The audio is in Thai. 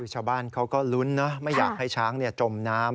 ชาวบ้านเขาก็ลุ้นนะไม่อยากให้ช้างจมน้ำ